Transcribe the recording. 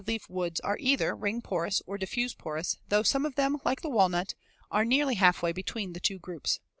] All of our broadleaf woods are either ring porous or diffuse porous, though some of them, like the walnut, are nearly half way between the two groups.